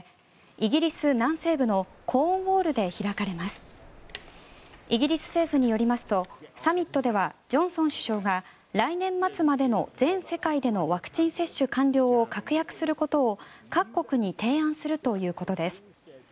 イギリス政府によりますとサミットではジョンソン首相が来年末までの全世界でのワクチン接種完了を確約することを各国に提案するということです。